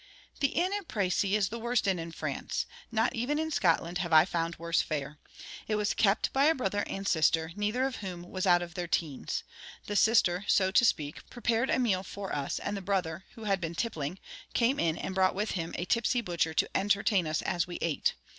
The inn at Précy is the worst inn in France. Not even in Scotland have I found worse fare. It was kept by a brother and sister, neither of whom was out of their teens. The sister, so to speak, prepared a meal for us; and the brother, who had been tippling, came in and brought with him a tipsy butcher, to entertain us as we ate.